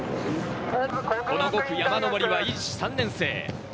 この５区、山上りは伊地知・３年生。